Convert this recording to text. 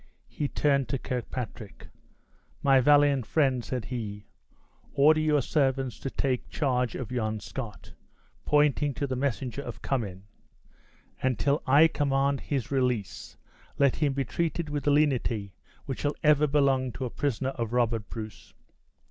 He turned to Kirkpatrick. "My valiant friend," said he, "order your servants to take charge of yon Scot," pointing to the messenger of Cummin; "and till I command his release, let him be treated with the lenity which shall ever belong to a prisoner of Robert Bruce!"